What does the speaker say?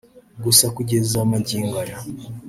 Gusa kugeza magingo aya